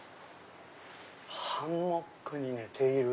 ⁉ハンモックに寝ている。